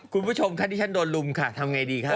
คุณผู้ชมคะที่ฉันโดนลุมค่ะทำไงดีคะ